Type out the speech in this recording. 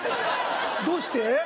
どうして？